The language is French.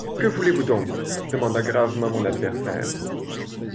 Que voulez-vous donc ? demanda gravement mon adversaire.